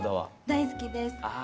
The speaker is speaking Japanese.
大好きです。